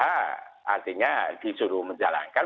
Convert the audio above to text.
artinya disuruh menjalankan